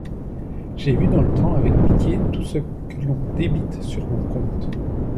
J'ai vu dans le temps avec pitié tout ce que l'on débite sur mon compte.